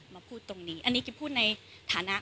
มาพูดตรงนี้อันนี้กิ๊บพูดในฐานะ